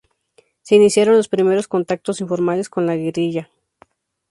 Se iniciaron los primeros contactos informales con la guerrilla.